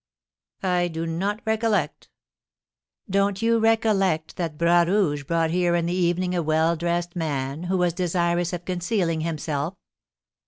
"I do not recollect." "Don't you recollect that Bras Rouge brought here in the evening a well dressed man, who was desirous of concealing himself?"